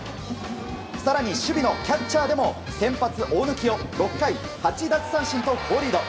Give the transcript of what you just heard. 更に守備のキャッチャーでも先発、大貫を６回８奪三振と好リード。